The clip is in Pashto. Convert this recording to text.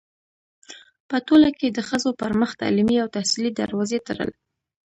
پـه ټـولـه کـې د ښـځـو پـر مـخ تـعلـيمي او تحصـيلي دروازې تــړل.